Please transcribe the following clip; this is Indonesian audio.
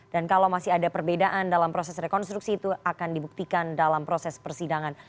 dan kalau masih ada perbedaan dalam proses rekonstruksi itu akan dibuktikan dalam proses persidangan